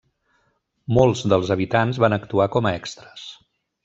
Molts dels habitants van actuar com a extres.